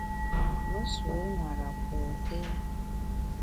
Me nsu nwera pôkéri.